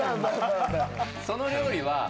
その料理は。